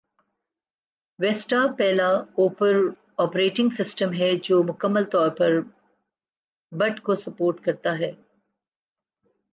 vista پہلا operating system ہے جو مکمل طور پر بٹ کو سپورٹ کرتا ہے